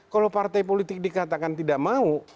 kalau partai politik dikatakan tidak mau